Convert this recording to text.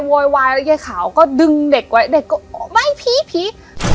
โวยวายแล้วยายขาวก็ดึงเด็กไว้เด็กก็ไม่ผีผี